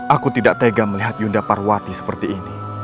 aku tidak tega melihat yunda parwati seperti ini